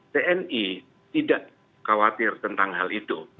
tni tidak khawatir tentang hal itu